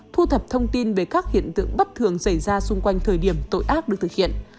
thu thập thông tin về các hiện tượng bất thường xảy ra xung quanh thời điểm tội ác được thực hiện